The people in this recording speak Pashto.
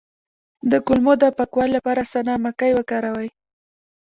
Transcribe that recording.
د کولمو د پاکوالي لپاره سنا مکی وکاروئ